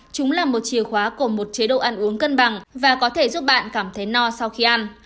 chúng là một chìa khóa của một chế độ ăn uống cân bằng và có thể giúp bạn cảm thấy no sau khi ăn